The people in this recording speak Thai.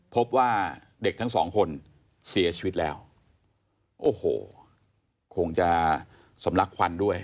พบว่าเด็กทั้งสองคนเสียชีวิตแล้วโอ้โหคงจะสำลักควันด้วย